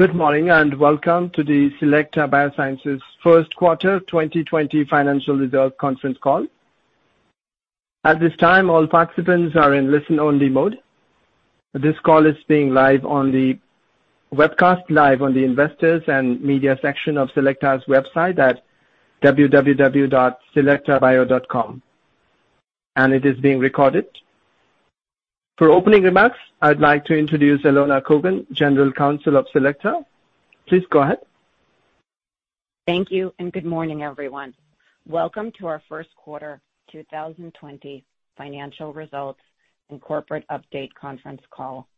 Good morning, welcome to the Selecta Biosciences first quarter 2020 financial results conference call. At this time, all participants are in listen-only mode. This call is being webcast live on the Investors and Media section of Selecta's website at www.selectabio.com, and it is being recorded. For opening remarks, I'd like to introduce Elona Kogan, General Counsel of Selecta. Please go ahead. Thank you. Good morning, everyone. Welcome to our first quarter 2020 financial results and corporate update conference call.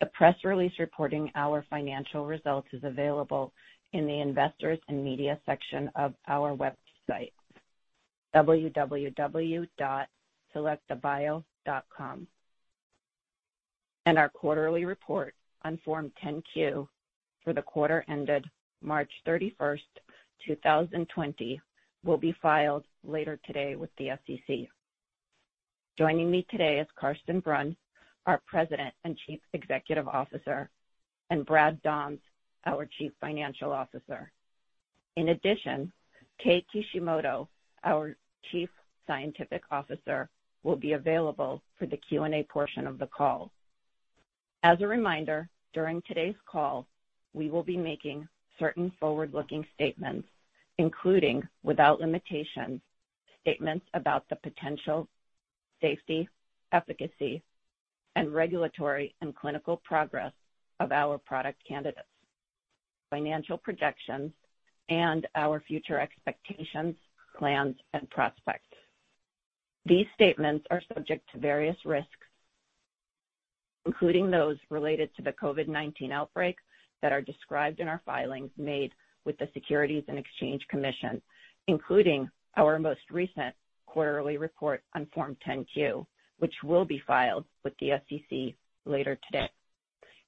The press release reporting our financial results is available in the Investors and Media section of our website, selectabio.com. Our quarterly report on Form 10-Q for the quarter ended March 31st, 2020, will be filed later today with the SEC. Joining me today is Carsten Brunn, our President and Chief Executive Officer, and Brad Dahms, our Chief Financial Officer. In addition, Kei Kishimoto, our Chief Scientific Officer, will be available for the Q&A portion of the call. As a reminder, during today's call, we will be making certain forward-looking statements, including, without limitation, statements about the potential safety, efficacy, and regulatory and clinical progress of our product candidates, financial projections, and our future expectations, plans, and prospects. These statements are subject to various risks, including those related to the COVID-19 outbreak that are described in our filings made with the Securities and Exchange Commission, including our most recent quarterly report on Form 10-Q, which will be filed with the SEC later today.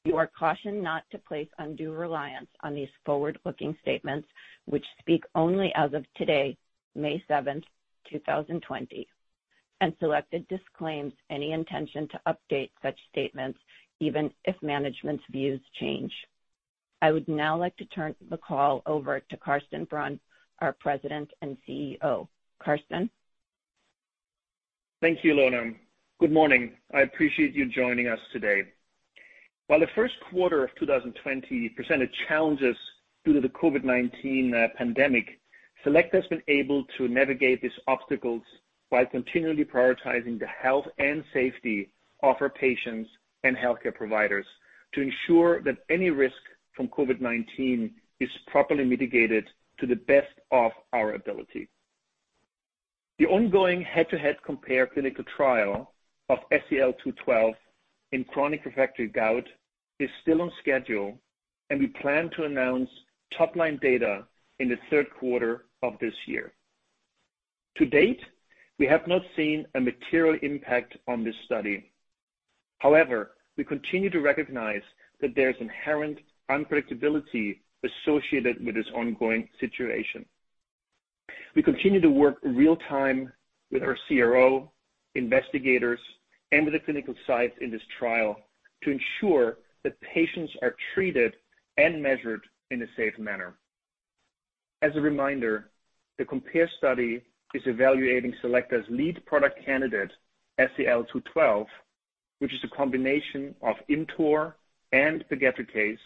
You are cautioned not to place undue reliance on these forward-looking statements which speak only as of today, May 7th, 2020, and Selecta disclaims any intention to update such statements even if management's views change. I would now like to turn the call over to Carsten Brunn, our President and CEO. Carsten? Thank you, Elona. Good morning. I appreciate you joining us today. While the first quarter of 2020 presented challenges due to the COVID-19 pandemic, Selecta has been able to navigate these obstacles while continually prioritizing the health and safety of our patients and healthcare providers to ensure that any risk from COVID-19 is properly mitigated to the best of our ability. The ongoing head-to-head COMPARE clinical trial of SEL-212 in chronic refractory gout is still on schedule. We plan to announce top-line data in the third quarter of this year. To date, we have not seen a material impact on this study. We continue to recognize that there is inherent unpredictability associated with this ongoing situation. We continue to work real time with our CRO, investigators, and with the clinical sites in this trial to ensure that patients are treated and measured in a safe manner. As a reminder, the COMPARE study is evaluating Selecta's lead product candidate, SEL-212, which is a combination of ImmTOR and pegloticase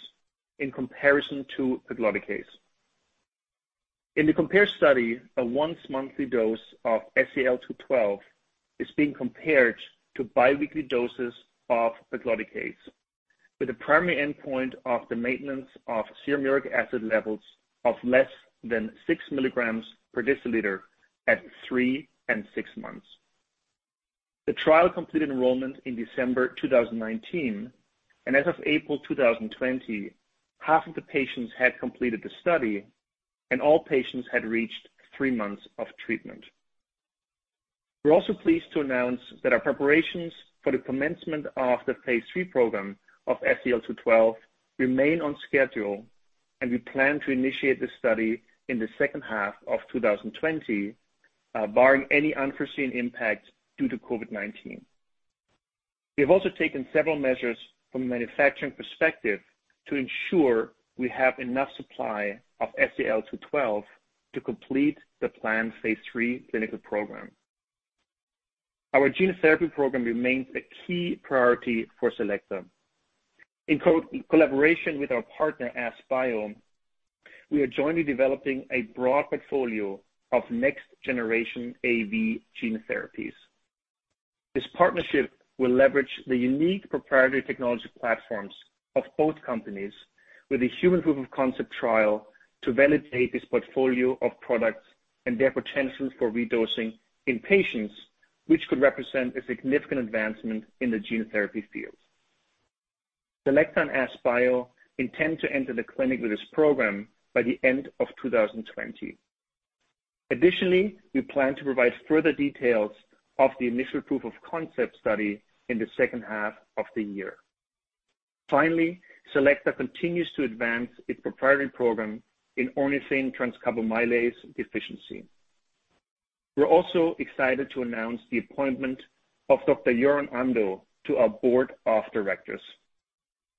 in comparison to pegloticase. In the COMPARE study, a once-monthly dose of SEL-212 is being compared to bi-weekly doses of pegloticase with a primary endpoint of the maintenance of serum uric acid levels of less than 6 mg/dL at three and six months. The trial completed enrollment in December 2019. As of April 2020, half of the patients had completed the study, and all patients had reached three months of treatment. We're also pleased to announce that our preparations for the commencement of the phase III program of SEL-212 remain on schedule, and we plan to initiate this study in the second half of 2020, barring any unforeseen impact due to COVID-19. We have also taken several measures from a manufacturing perspective to ensure we have enough supply of SEL-212 to complete the planned phase III clinical program. Our gene therapy program remains a key priority for Selecta. In collaboration with our partner, AskBio, we are jointly developing a broad portfolio of next-generation AAV gene therapies. This partnership will leverage the unique proprietary technology platforms of both companies with a human proof-of-concept trial to validate this portfolio of products and their potential for redosing in patients, which could represent a significant advancement in the gene therapy field. Selecta and AskBio intend to enter the clinic with this program by the end of 2020. Additionally, we plan to provide further details of the initial proof of concept study in the second half of the year. Finally, Selecta continues to advance its proprietary program in ornithine transcarbamylase deficiency. We're also excited to announce the appointment of Dr. Göran Ando to our Board of Directors.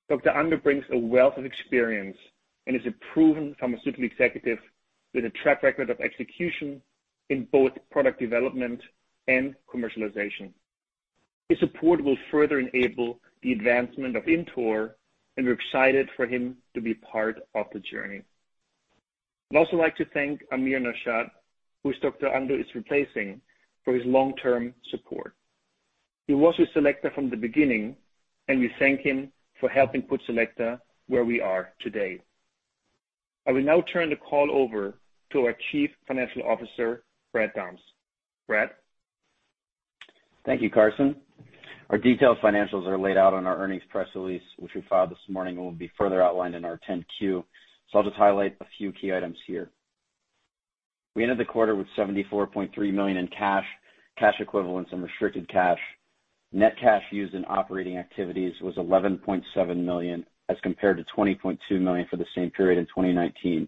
Dr. Ando brings a wealth of experience and is a proven pharmaceutical executive with a track record of execution in both product development and commercialization. His support will further enable the advancement of ImmTOR, and we're excited for him to be part of the journey. I'd also like to thank Amir Nashat, who Dr. Ando is replacing, for his long-term support. He was with Selecta from the beginning, and we thank him for helping put Selecta where we are today. I will now turn the call over to our Chief Financial Officer, Brad Dahms. Brad? Thank you, Carsten. Our detailed financials are laid out on our earnings press release, which we filed this morning and will be further outlined in our Form 10-Q. I'll just highlight a few key items here. We ended the quarter with $74.3 million in cash, cash equivalents, and restricted cash. Net cash used in operating activities was $11.7 million as compared to $20.2 million for the same period in 2019.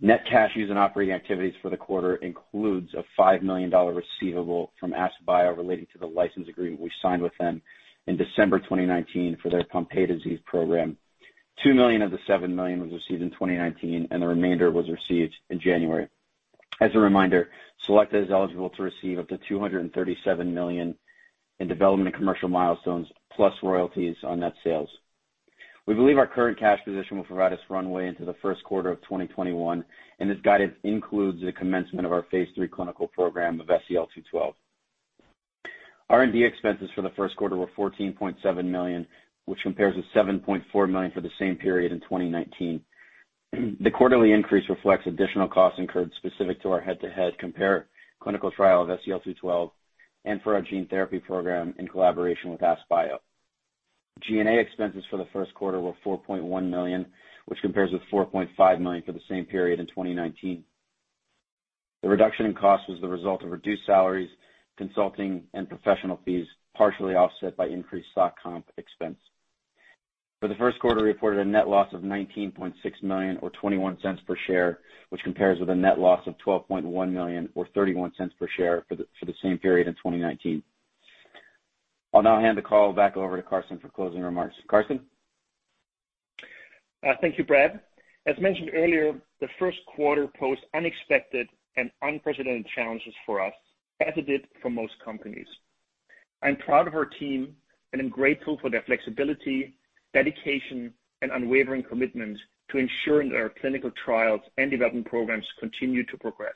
Net cash used in operating activities for the quarter includes a $5 million receivable from AskBio relating to the license agreement we signed with them in December 2019 for their Pompe disease program. $2 million of the $7 million was received in 2019, and the remainder was received in January. As a reminder, Selecta is eligible to receive up to $237 million in development and commercial milestones, plus royalties on net sales. We believe our current cash position will provide us runway into the first quarter of 2021. This guidance includes the commencement of our phase III clinical program of SEL-212. R&D expenses for the first quarter were $14.7 million, which compares with $7.4 million for the same period in 2019. The quarterly increase reflects additional costs incurred specific to our head-to-head COMPARE clinical trial of SEL-212 and for our gene therapy program in collaboration with AskBio. G&A expenses for the first quarter were $4.1 million, which compares with $4.5 million for the same period in 2019. The reduction in cost was the result of reduced salaries, consulting, and professional fees, partially offset by increased stock comp expense. For the first quarter, we reported a net loss of $19.6 million or $0.21 per share, which compares with a net loss of $12.1 million or $0.31 per share for the same period in 2019. I'll now hand the call back over to Carsten for closing remarks. Carsten? Thank you, Brad. As mentioned earlier, the first quarter posed unexpected and unprecedented challenges for us, as it did for most companies. I'm proud of our team, and I'm grateful for their flexibility, dedication, and unwavering commitment to ensuring that our clinical trials and development programs continue to progress.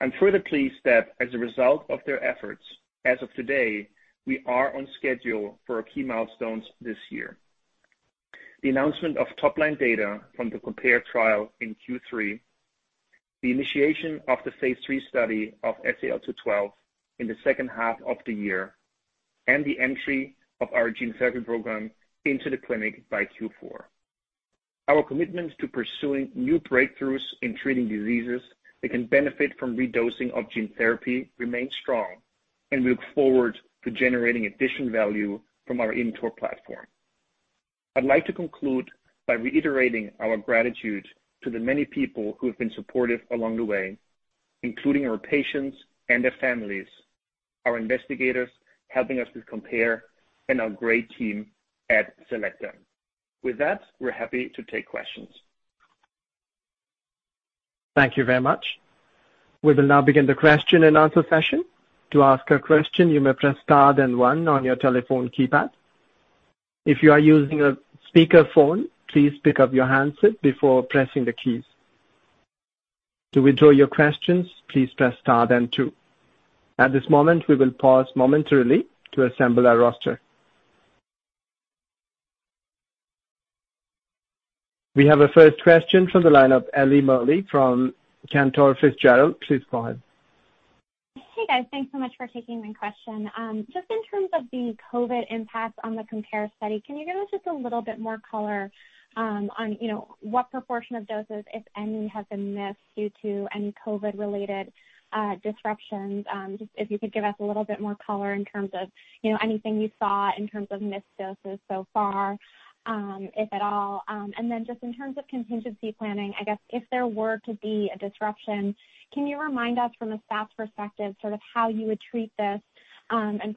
I'm further pleased that as a result of their efforts, as of today, we are on schedule for our key milestones this year. The announcement of top-line data from the COMPARE trial in Q3, the initiation of the phase III study of SEL-212 in the second half of the year, and the entry of our gene therapy program into the clinic by Q4. Our commitment to pursuing new breakthroughs in treating diseases that can benefit from redosing of gene therapy remains strong, and we look forward to generating additional value from our ImmTOR platform. I'd like to conclude by reiterating our gratitude to the many people who have been supportive along the way, including our patients and their families, our investigators helping us with COMPARE, and our great team at Selecta. With that, we're happy to take questions. Thank you very much. We will now begin the question and answer session. To ask a question, you may press star then one on your telephone keypad. If you are using a speakerphone, please pick up your handset before pressing the keys. To withdraw your questions, please press star then two. At this moment, we will pause momentarily to assemble our roster. We have a first question from the line of Ellie Merle from Cantor Fitzgerald. Please go ahead. Hey, guys. Thanks so much for taking my question. Just in terms of the COVID impact on the COMPARE study, can you give us just a little bit more color on what proportion of doses, if any, have been missed due to any COVID-related disruptions? If you could give us a little bit more color in terms of anything you saw in terms of missed doses so far, if at all. Just in terms of contingency planning, I guess if there were to be a disruption, can you remind us from a staff perspective, sort of how you would treat this, and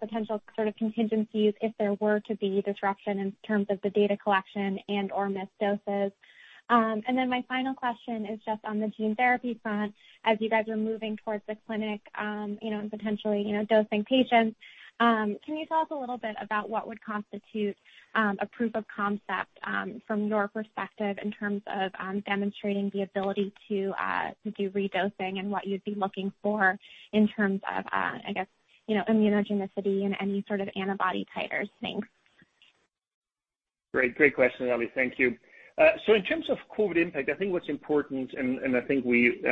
potential sort of contingencies if there were to be disruption in terms of the data collection and/or missed doses? My final question is just on the gene therapy front. As you guys are moving towards the clinic, and potentially dosing patients, can you tell us a little bit about what would constitute a proof of concept from your perspective in terms of demonstrating the ability to do redosing and what you'd be looking for in terms of, I guess, immunogenicity and any sort of antibody titers? Thanks. Great question, Ellie. Thank you. In terms of COVID impact, I think what's important, and I think we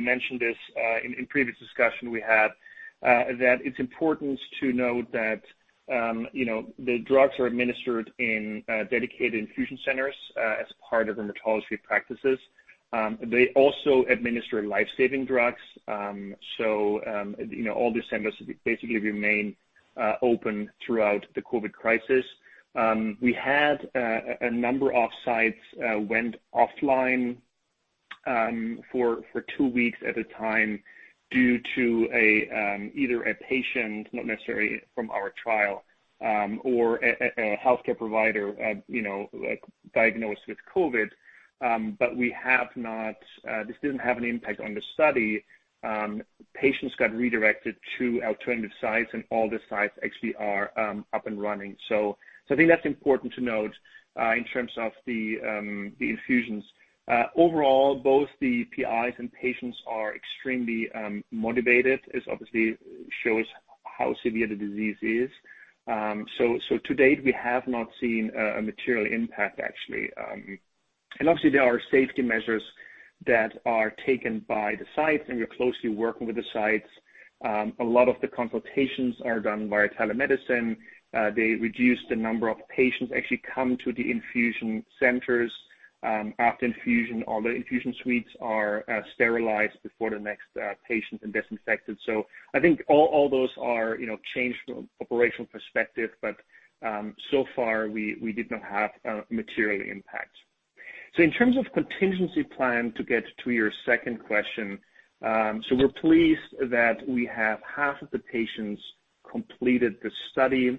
mentioned this in previous discussion we had, that it's important to note that the drugs are administered in dedicated infusion centers as part of hematology practices. They also administer life-saving drugs. All these centers basically remain open throughout the COVID crisis. We had a number of sites went offline for two weeks at a time due to either a patient, not necessarily from our trial, or a healthcare provider diagnosed with COVID. This didn't have an impact on the study. Patients got redirected to alternative sites and all the sites actually are up and running. I think that's important to note in terms of the infusions. Overall, both the PIs and patients are extremely motivated, as obviously shows how severe the disease is. To date, we have not seen a material impact, actually. Obviously there are safety measures that are taken by the sites and we're closely working with the sites. A lot of the consultations are done via telemedicine. They reduce the number of patients actually come to the infusion centers. After infusion, all the infusion suites are sterilized before the next patient and disinfected. I think all those are changed from operational perspective, but so far we did not have a material impact. In terms of contingency plan, to get to your second question. We're pleased that we have half of the patients completed the study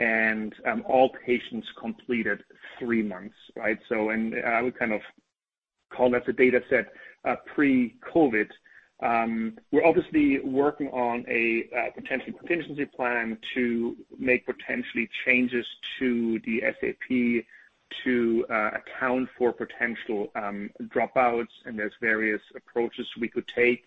and all patients completed three months. I would kind of call that the data set pre-COVID. We're obviously working on a potential contingency plan to make potentially changes to the SAP to account for potential dropouts and there's various approaches we could take.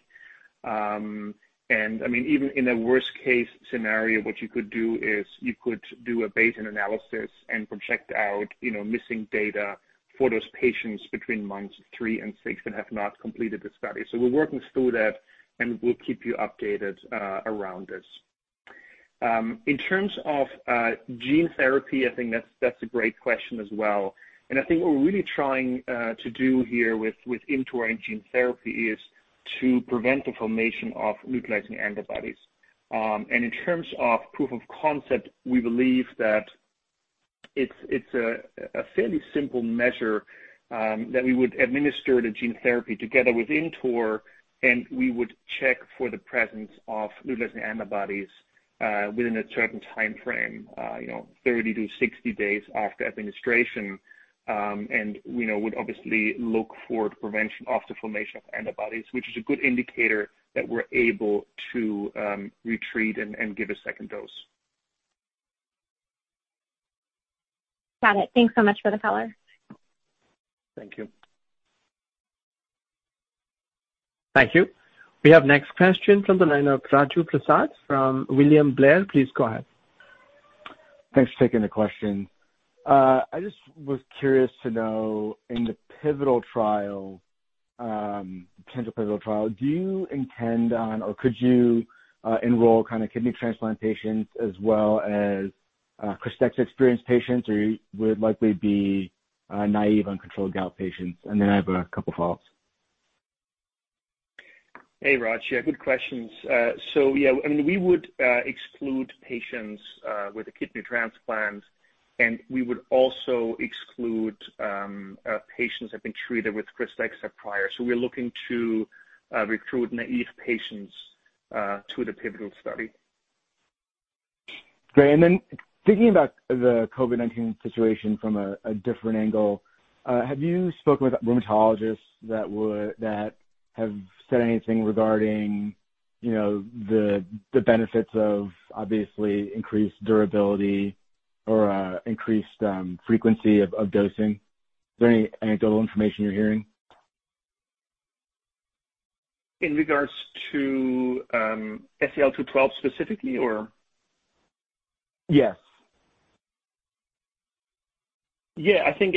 Even in a worst case scenario, what you could do is you could do a Bayesian analysis and project out missing data for those patients between months three and six that have not completed the study. We're working through that, and we'll keep you updated around this. In terms of gene therapy, I think that's a great question as well. I think what we're really trying to do here with ImmTOR and gene therapy is to prevent the formation of neutralizing antibodies. In terms of proof of concept, we believe that it's a fairly simple measure that we would administer the gene therapy together with ImmTOR, and we would check for the presence of neutralizing antibodies within a certain timeframe, 30 to 60 days after administration. We would obviously look for the prevention of the formation of antibodies, which is a good indicator that we're able to re-treat and give a second dose. Got it. Thanks so much for the color. Thank you. Thank you. We have next question from the line of Raju Prasad from William Blair. Please go ahead. Thanks for taking the question. I just was curious to know, in the pivotal trial, potential pivotal trial, do you intend on or could you enroll kidney transplant patients as well as KRYSTEXXA experienced patients, or would it likely be naive uncontrolled gout patients? I have a couple follows. Hey, Raju. Yeah, good questions. Yeah, we would exclude patients with a kidney transplant, and we would also exclude patients that have been treated with KRYSTEXXA prior. We're looking to recruit naive patients to the pivotal study. Great. Thinking about the COVID-19 situation from a different angle, have you spoken with rheumatologists that have said anything regarding the benefits of obviously increased durability or increased frequency of dosing? Is there any anecdotal information you're hearing? In regards to SEL-212 specifically, or? Yeah. Yeah, I think,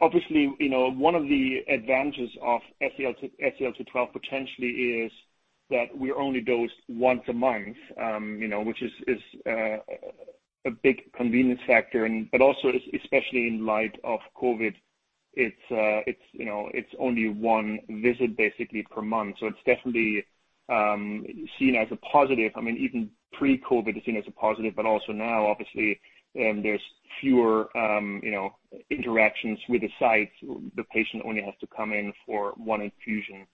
obviously, one of the advantages of SEL-212 potentially is that we only dose once a month, which is a big convenience factor. Also, especially in light of COVID, it's only one visit basically per month. It's definitely seen as a positive. Even pre-COVID, it's seen as a positive, but also now, obviously, there's fewer interactions with the sites. The patient only has to come in for one infusion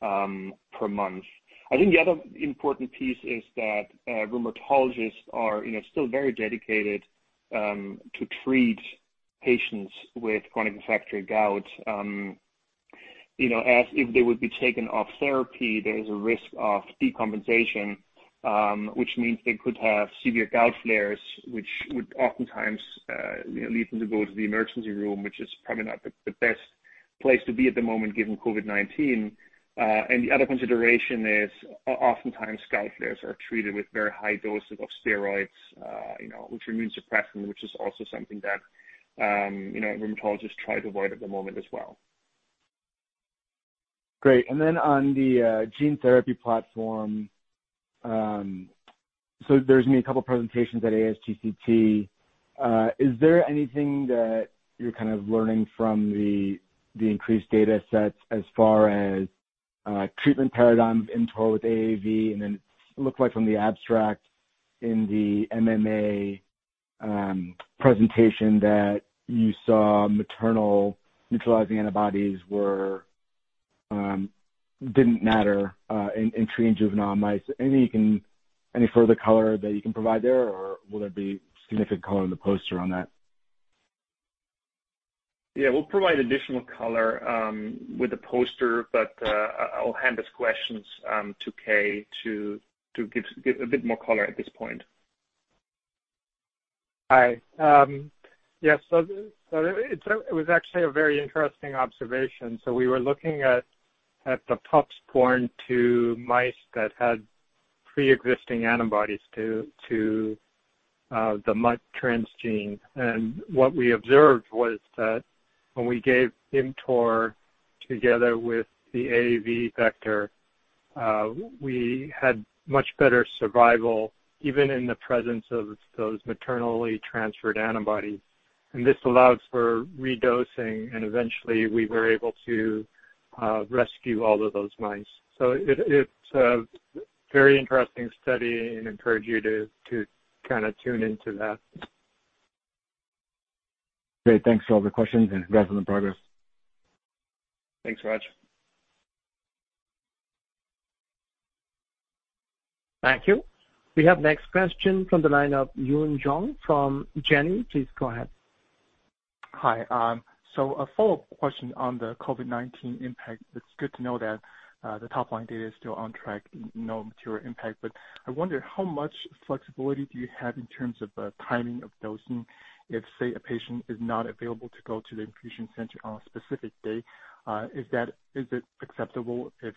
per month. I think the other important piece is that rheumatologists are still very dedicated to treat patients with chronic refractory gout. As if they would be taken off therapy, there is a risk of decompensation, which means they could have severe gout flares, which would oftentimes lead them to go to the emergency room, which is probably not the best place to be at the moment given COVID-19. The other consideration is oftentimes gout flares are treated with very high doses of steroids, which are immunosuppressant, which is also something that rheumatologists try to avoid at the moment as well. Great. On the gene therapy platform, there's been a couple presentations at ASGCT. Is there anything that you're kind of learning from the increased data sets as far as treatment paradigm of ImmTOR with AAV? It looked like from the abstract in the MMA presentation that you saw maternal neutralizing antibodies didn't matter in pre-juvenile mice. Any further color that you can provide there, or will there be significant color in the poster on that? Yeah. We'll provide additional color with the poster, but I'll hand this question to Kei to give a bit more color at this point. Hi. Yes. It was actually a very interesting observation. We were looking at the pups born to mice that had preexisting antibodies to the MUT transgene. What we observed was that when we gave ImmTOR together with the AAV vector, we had much better survival, even in the presence of those maternally transferred antibodies. This allows for redosing, and eventually we were able to rescue all of those mice. It's a very interesting study and encourage you to tune into that. Great. Thanks for taking the questions and congrats on the progress. Thanks, Raju. Thank you. We have next question from the line of Yun Zhong from Janney. Please go ahead. Hi. A follow-up question on the COVID-19 impact. It's good to know that the top-line data is still on track, no material impact. I wonder how much flexibility do you have in terms of timing of dosing if, say, a patient is not available to go to the infusion center on a specific day? Is it acceptable if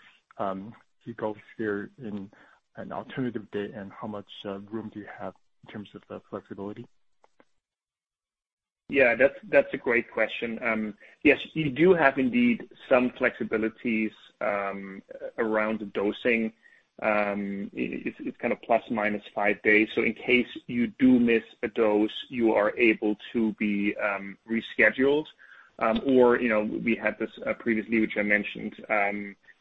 he goes there in an alternative day, and how much room do you have in terms of the flexibility? Yeah, that's a great question. You do have indeed some flexibilities around dosing. It's kind of plus/minus five days. In case you do miss a dose, you are able to be rescheduled. We had this previously, which I mentioned,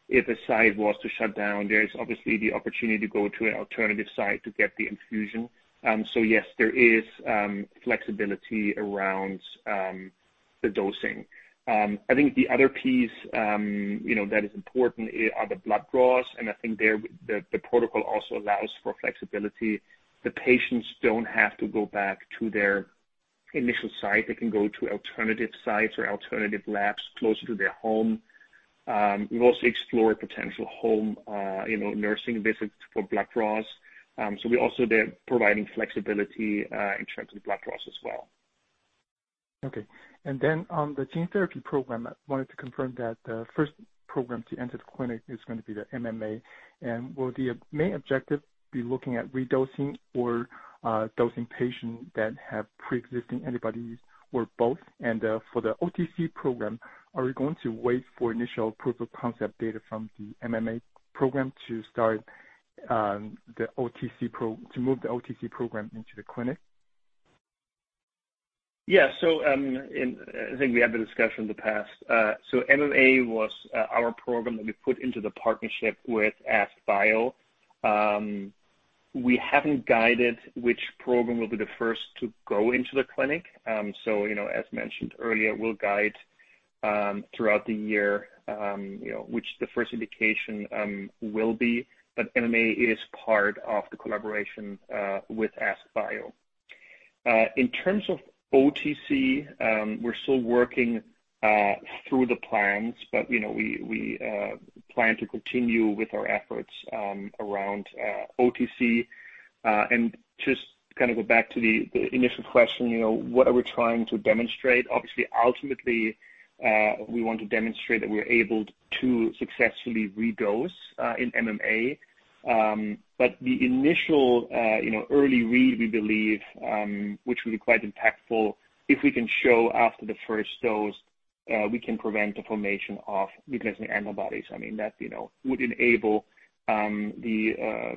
if a site was to shut down, there's obviously the opportunity to go to an alternative site to get the infusion. Yes, there is flexibility around the dosing. I think the other piece that is important are the blood draws, and I think the protocol also allows for flexibility. The patients don't have to go back to their initial site. They can go to alternative sites or alternative labs closer to their home. We've also explored potential home nursing visits for blood draws. We're also there providing flexibility in terms of blood draws as well. Okay. On the gene therapy program, I wanted to confirm that the first program to enter the clinic is going to be the MMA. Will the main objective be looking at redosing or dosing patients that have preexisting antibodies or both? For the OTC program, are we going to wait for initial proof of concept data from the MMA program to move the OTC program into the clinic? Yeah. I think we had the discussion in the past. MMA was our program that we put into the partnership with AskBio. We haven't guided which program will be the first to go into the clinic. As mentioned earlier, we'll guide throughout the year which the first indication will be. MMA is part of the collaboration with AskBio. In terms of OTC, we're still working through the plans, we plan to continue with our efforts around OTC. Just to go back to the initial question, what are we trying to demonstrate? Obviously, ultimately, we want to demonstrate that we're able to successfully redose in MMA. The initial early read, we believe, which will be quite impactful, if we can show after the first dose, we can prevent the formation of neutralizing antibodies. That would enable the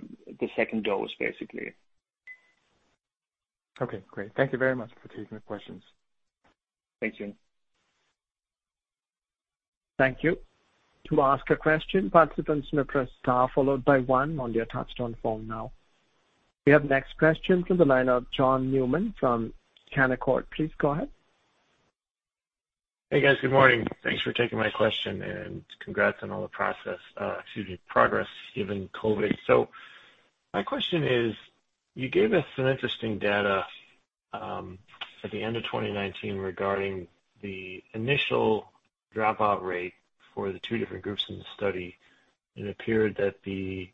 second dose, basically. Okay, great. Thank you very much for taking the questions. Thanks, Yun. Thank you. To ask a question, participants to press star followed by one on their touch-tone phone now. We have next question from the line of John Newman from Canaccord. Please go ahead. Hey, guys. Good morning. Thanks for taking my question and congrats on all the progress given COVID. My question is, you gave us some interesting data at the end of 2019 regarding the initial dropout rate for the two different groups in the study. It appeared that the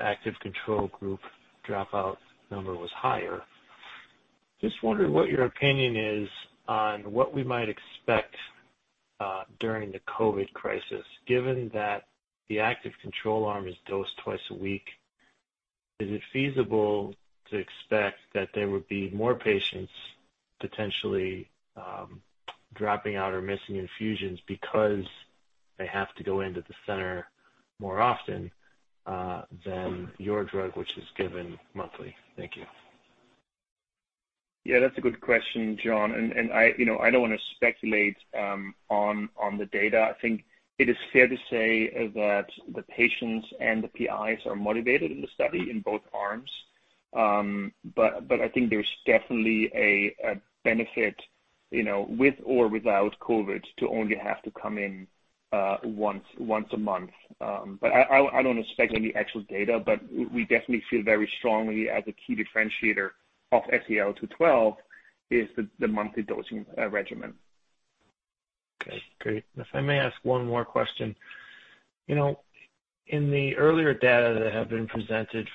active control group dropout number was higher. Just wondering what your opinion is on what we might expect during the COVID crisis. Given that the active control arm is dosed twice a week, is it feasible to expect that there would be more patients potentially dropping out or missing infusions because they have to go into the center more often than your drug, which is given monthly? Thank you. Yeah, that's a good question, John. I don't want to speculate on the data. I think it is fair to say that the patients and the PIs are motivated in the study in both arms. I think there's definitely a benefit with or without COVID to only have to come in once a month. I don't want to speculate the actual data, but we definitely feel very strongly as a key differentiator of SEL-212 is the monthly dosing regimen. Okay, great. If I may ask one more question. In the earlier data that have been presented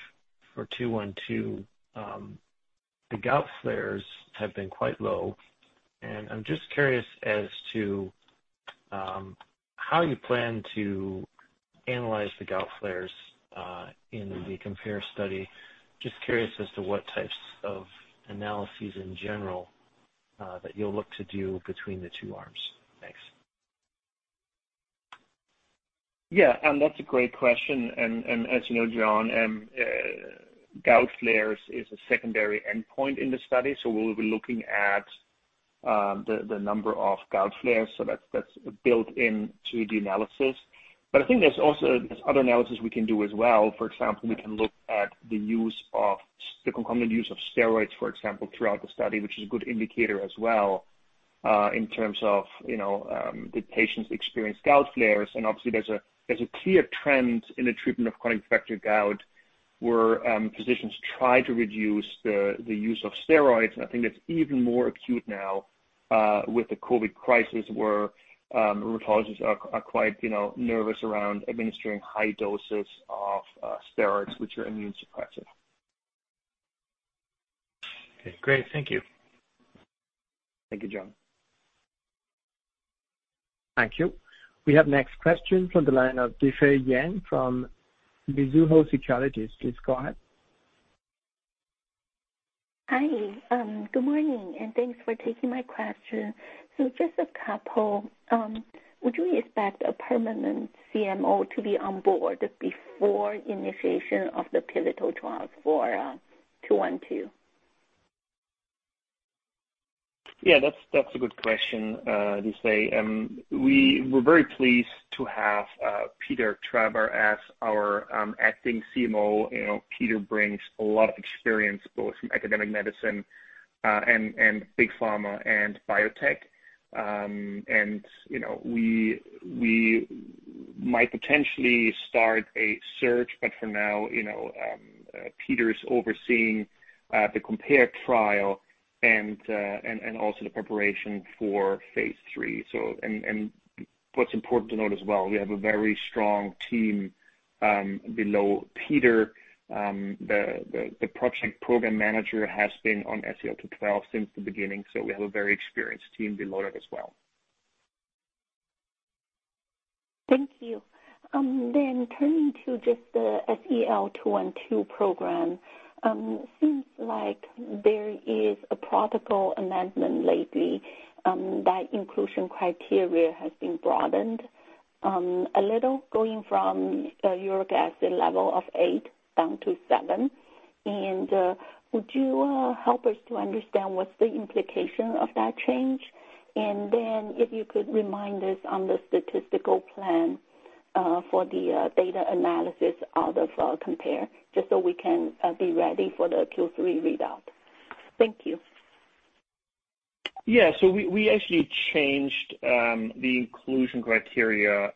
for SEL-212, the gout flares have been quite low. I'm just curious as to how you plan to analyze the gout flares in the COMPARE study. Just curious as to what types of analyses in general that you'll look to do between the two arms. Thanks. That's a great question. As you know, John, gout flares is a secondary endpoint in the study, so we'll be looking at the number of gout flares, so that's built into the analysis. I think there's also other analysis we can do as well. For example, we can look at the concomitant use of steroids, for example, throughout the study, which is a good indicator as well, in terms of the patients experience gout flares. Obviously, there's a clear trend in the treatment of chronic refractory gout, where physicians try to reduce the use of steroids. I think that's even more acute now, with the COVID crisis, where rheumatologists are quite nervous around administering high doses of steroids, which are immunosuppressive. Okay, great. Thank you. Thank you, John. Thank you. We have next question from the line of Difei Yang from Mizuho Securities. Please go ahead. Hi. Good morning, thanks for taking my question. Just a couple. Would you expect a permanent CMO to be on board before initiation of the pivotal trials for SEL-212? That's a good question, Difei. We were very pleased to have Peter Traber as our acting CMO. Peter brings a lot of experience, both from academic, medicine, and Big Pharma and biotech. We might potentially start a search, but for now, Peter is overseeing the COMPARE trial and also the preparation for phase III. What's important to note as well, we have a very strong team below Peter. The project program manager has been on SEL-212 since the beginning, so we have a very experienced team below that as well. Thank you. Turning to just the SEL-212 program, seems like there is a protocol amendment lately, that inclusion criteria has been broadened a little, going from uric acid level of 8 mg/dL down to 7 mg/dL. Would you help us to understand what's the implication of that change? If you could remind us on the statistical plan for the data analysis out of COMPARE, just so we can be ready for the Q3 readout. Thank you. We actually changed the inclusion criteria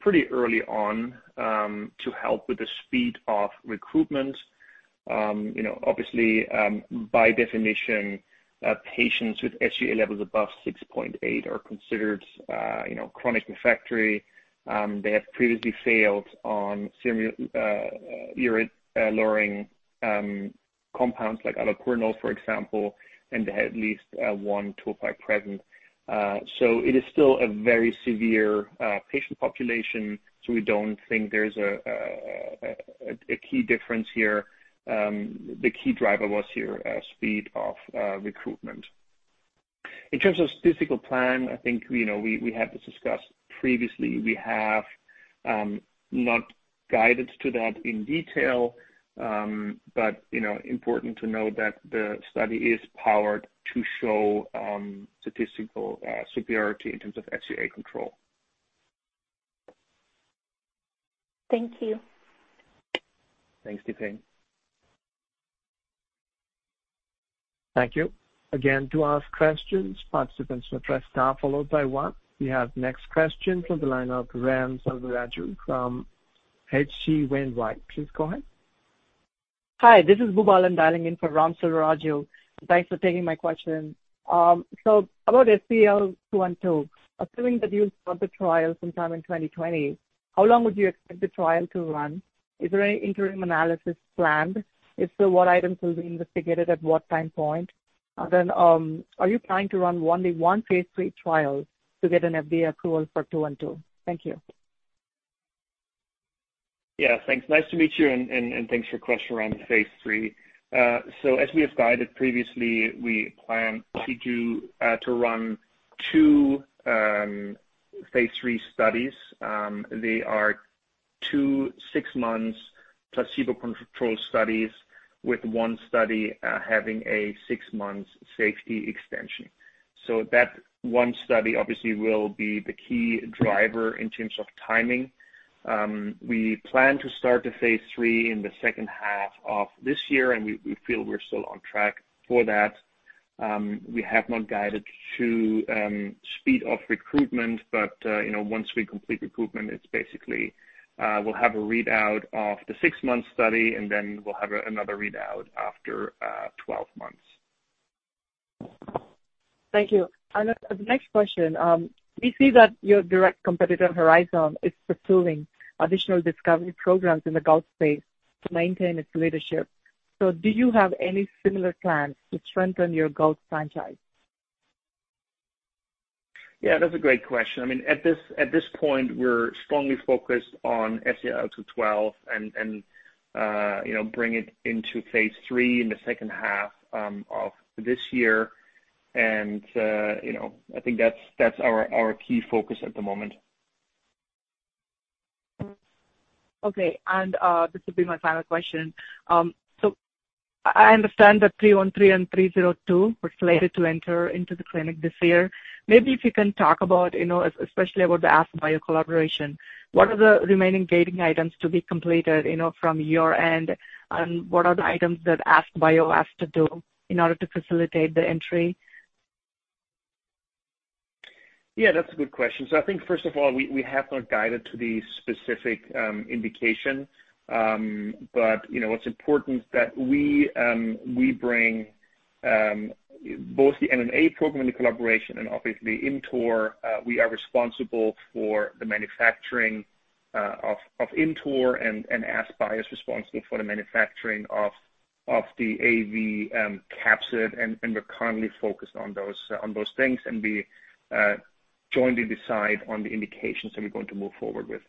pretty early on, to help with the speed of recruitment. Obviously, by definition, patients with SUA levels above 6.8 mg/dL are considered chronic refractory. They have previously failed on serum urate-lowering compounds like allopurinol, for example, and they had at least one tophi present. It is still a very severe patient population, so we don't think there's a key difference here. The key driver was here, speed of recruitment. In terms of statistical plan, I think we had this discussed previously. We have not guided to that in detail. Important to note that the study is powered to show statistical superiority in terms of SUA control. Thank you. Thanks, Difei. Thank you. Again, to ask questions, participants with star followed by one. We have next question from the line of Ram Selvaraju from H.C. Wainwright. Please go ahead. Hi, this is Boobalan dialing in for Ram Selvaraju. Thanks for taking my question. About SEL-212. Assuming that you start the trial sometime in 2020, how long would you expect the trial to run? Is there any interim analysis planned? If so, what items will be investigated at what time point? Are you planning to run only one phase III trial to get an FDA approval for SEL-212? Thank you. Yeah. Thanks. Nice to meet you, and thanks for question around phase III. As we have guided previously, we plan to run two phase III studies. Two six months placebo control studies with one study having a six months safety extension. That one study obviously will be the key driver in terms of timing. We plan to start the phase III in the second half of this year, and we feel we're still on track for that. We have not guided to speed of recruitment, once we complete recruitment, it's basically we'll have a readout of the six month study, and then we'll have another readout after 12 months. Thank you. The next question, we see that your direct competitor, Horizon, is pursuing additional discovery programs in the gout space to maintain its leadership. Do you have any similar plans to strengthen your gout franchise? Yeah, that's a great question. I mean, at this point, we're strongly focused on SEL-212 and bring it into phase III in the second half of this year. I think that's our key focus at the moment. Okay. This will be my final question. I understand that SEL-313 and SEL-302 were slated to enter into the clinic this year. Maybe if you can talk about, especially about the AskBio collaboration, what are the remaining gating items to be completed from your end, and what are the items that AskBio has to do in order to facilitate the entry? Yeah, that's a good question. I think first of all, we have not guided to the specific indication. It's important that we bring both the MMA program and the collaboration and obviously ImmTOR, we are responsible for the manufacturing of ImmTOR and AskBio is responsible for the manufacturing of the AAV capsid, and we're currently focused on those things, and we jointly decide on the indications that we're going to move forward with.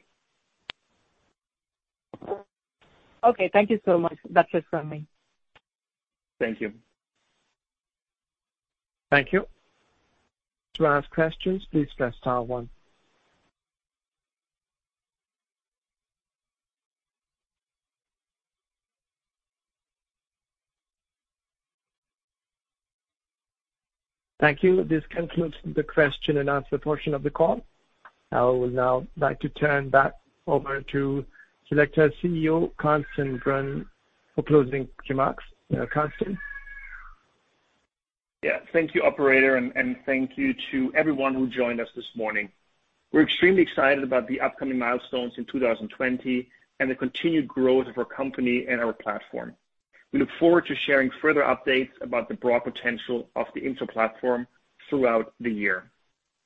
Okay. Thank you so much. That's it for me. Thank you. Thank you. To ask questions, please press star one. Thank you. This concludes the question and answer portion of the call. I would now like to turn back over to Selecta CEO, Carsten Brunn, for closing remarks. Carsten? Yeah. Thank you, operator, and thank you to everyone who joined us this morning. We're extremely excited about the upcoming milestones in 2020 and the continued growth of our company and our platform. We look forward to sharing further updates about the broad potential of the ImmTOR platform throughout the year.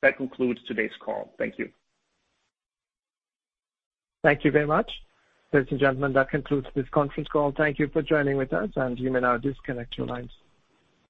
That concludes today's call. Thank you. Thank you very much. Ladies and gentlemen, that concludes this conference call. Thank you for joining with us, and you may now disconnect your lines.